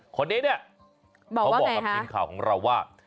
คนนี้เนี่ยเขาบอกกับทีมข่าวของเราว่า